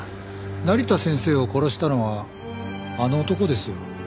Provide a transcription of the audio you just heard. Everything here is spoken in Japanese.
成田先生を殺したのはあの男ですよ。